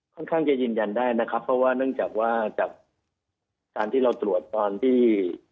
ค่อนข้างจะยืนยันได้นะครับเพราะว่าเนื่องจากว่าจากการที่เราตรวจตอนที่